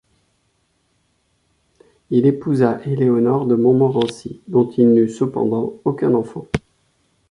Il épousa Éléonore de Montmorency, dont il n'eut cependant aucun enfant.